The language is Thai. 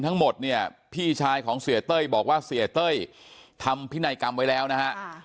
ทั้งหมดเนี่ยพี่ชายของเสียเต้ยบอกว่าเสียเต้ยทำพินัยกรรมไว้แล้วนะฮะ